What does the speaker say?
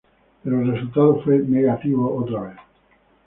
Pero el resultado fue negativo otra vez.